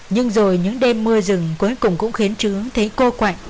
nhưng rồi những đêm mưa rừng cuối cùng cũng khiến trướng thấy cô quạnh